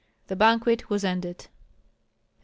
The banquet was ended.